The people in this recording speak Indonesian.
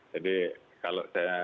jadi kalau saya